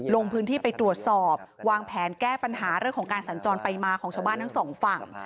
ลงพื้นที่ไปตรวจสอบวางแผนแก้ปัญหาเรื่องของการสัญจรไปมาของชาวบ้านทั้งสองฝั่ง